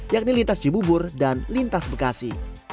yakni lintas cibubur dan lintas bekasi